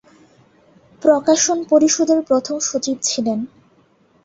প্রকাশন পরিষদের প্রথম সচিব ছিলেন।